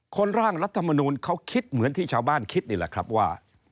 ร่างรัฐมนูลเขาคิดเหมือนที่ชาวบ้านคิดนี่แหละครับว่า